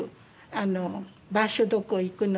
あの場所どこ行くの？